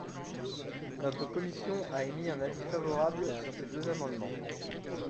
Notre commission a émis un avis favorable sur ces deux amendements.